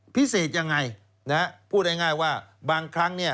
พิเศษยังไงนะฮะพูดง่ายว่าบางครั้งเนี่ย